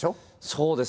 そうですね。